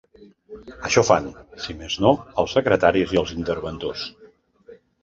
Això fan, si més no, els secretaris i els interventors.